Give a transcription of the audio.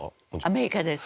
アメリカです。